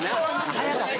・早かった。